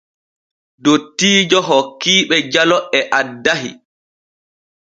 Dottiijo hokkiiɓe jalo e addahi.